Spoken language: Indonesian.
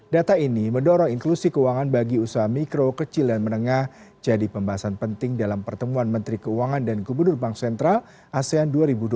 data ini mendorong inklusi keuangan bagi usaha mikro kecil dan menengah jadi pembahasan penting dalam pertemuan menteri keuangan dan gubernur bank sentral asean dua ribu dua puluh tiga